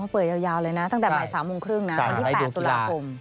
เปิดยาวเลยนะตั้งแต่บ่าย๓โมงครึ่งนะวันที่๘ตุลาคม